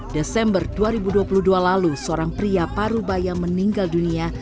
desember dua ribu dua puluh dua lalu seorang pria parubaya meninggal dunia